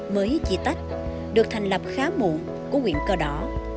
mới chỉ tách được thành lập khá muộn của nguyện cờ đỏ